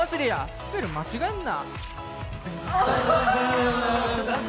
スペル間違えんな！